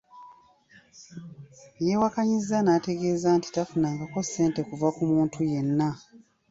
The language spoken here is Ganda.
Yabiwakanyizza n'ategeeza nti tafunangako ssente kuva ku muntu yenna.